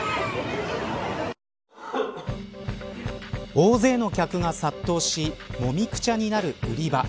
大勢の客が殺到しもみくちゃになる売り場。